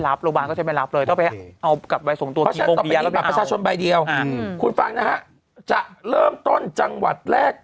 สมมติเราจะข้ามเขตไปไหนเนี่ยต้องไปเอาใบส่งตัวก่อน